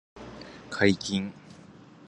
解禁